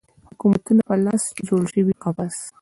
حکومتونو په لاس جوړ شوی قفس